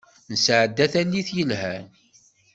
Nesεedda tallit yelhan.